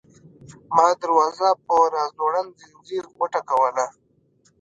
ما دروازه په راځوړند ځنځیر وټکوله.